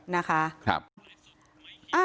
นะคะ